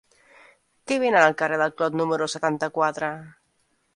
Què venen al carrer del Clot número setanta-quatre?